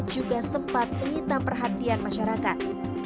juga sempat menyita perhatian masyarakat